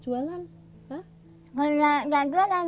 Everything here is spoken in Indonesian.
tetapi anda masih memaksa jualan